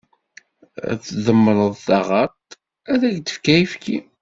Ar tdemmreḍ taɣaṭ, ar ad d-tefk ayefki.